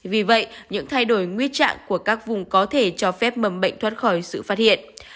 vì vậy những thay đổi nguyên trạng của các vùng có thể cho phép mầm bệnh thoát khỏi sự phát hiện